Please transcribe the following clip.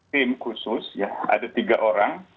tim khusus ya ada tiga orang